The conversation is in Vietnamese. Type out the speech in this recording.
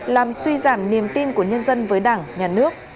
làm suy giảm niềm tin của nhân dân với đảng nhà nước